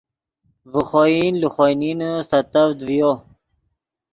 ڤے خوئن لے خوئے نینے سیتڤد ڤیو